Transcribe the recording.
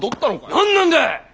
何なんだ！